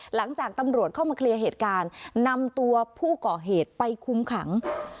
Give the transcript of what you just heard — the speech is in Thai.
หลังจากตำรวจเข้ามาเคลียร์เหตุการณ์นำตัวผู้ก่อเหตุไปคุมขัง